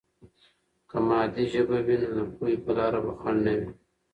که مادي ژبه وي، نو د پوهې په لاره به خنډ نه وي.